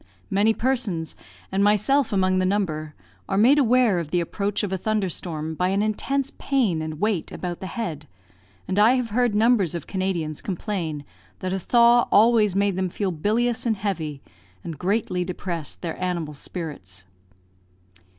Many persons (and myself among the number) are made aware of the approach of a thunder storm by an intense pain and weight about the head; and I have heard numbers of Canadians complain that a thaw always made them feel bilious and heavy, and greatly depressed their animal spirits.